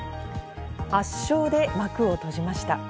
圧勝で幕を閉じました。